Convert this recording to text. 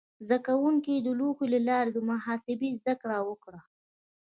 زده کوونکي د لوحو له لارې د محاسبې زده کړه وکړه.